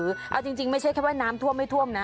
เอาจริงไม่ใช่แค่ว่าน้ำท่วมไม่ท่วมนะ